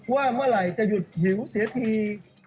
ว่าเมื่อไหร่จะหยุดหิวเสียที